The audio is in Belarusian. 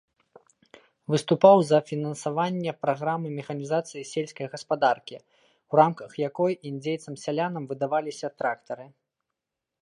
Выступаў за фінансаванне праграмы механізацыі сельскай гаспадаркі, у рамках якой індзейцам-сялянам выдаваліся трактары.